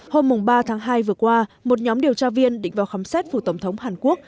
hôm ba tháng hai vừa qua một nhóm điều tra viên định vào khám xét phủ tổng thống hàn quốc